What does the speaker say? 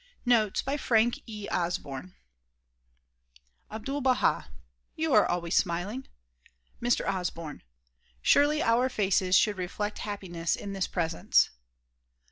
f Notes by Frank E. Osborne Ahdul Baha — You are always smiling. Mr. Osborne — Surely our faces should reflect happiness in this presence.